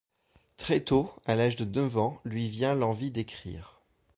Très tôt, à l'âge de neuf ans lui vient l'envie d'écrire.